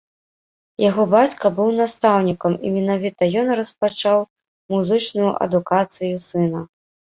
Яго бацька быў настаўнікам і менавіта ён распачаў музычную адукацыю сына.